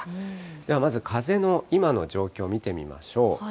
ではまず風の今の状況見てみましょう。